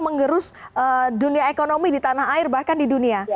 mengerus dunia ekonomi di tanah air bahkan di dunia